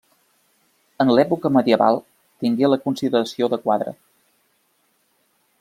En època medieval, tingué la consideració de quadra.